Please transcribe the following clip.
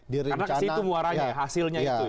karena kesitu muaranya hasilnya itu ya